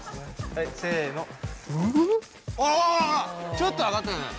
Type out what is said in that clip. ちょっと上がったよね。